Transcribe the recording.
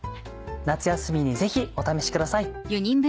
夏休みにぜひお試しください。